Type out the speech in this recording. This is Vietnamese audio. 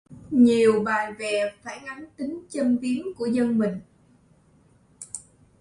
Nhiều bài vè phản ảnh tính châm biếm của dân mình